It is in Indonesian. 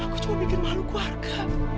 aku cuma bikin malu keluarga